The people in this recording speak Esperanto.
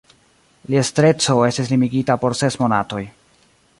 Lia estreco estis limigita por ses monatoj.